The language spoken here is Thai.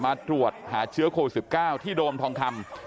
มาตรวจหาเชื้อโควิด๑๙ที่โดมทองคำ